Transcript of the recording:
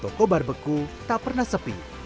toko barbeku tak pernah sepi